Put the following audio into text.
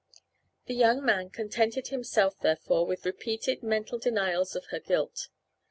The young man contented himself therefore with repeated mental denials of her guilt.